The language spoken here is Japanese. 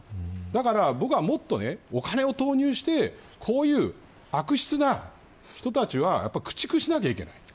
だから僕はもっとお金を投入してこういう悪質な人たちは駆逐しなければいけない。